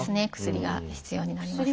薬が必要になりますね。